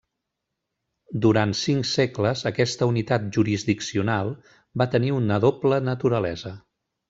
Durant cinc segles, aquesta unitat jurisdiccional va tenir una doble naturalesa.